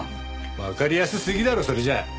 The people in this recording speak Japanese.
わかりやすすぎだろそれじゃあ。